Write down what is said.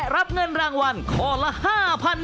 อะไรอย่างนี้เบน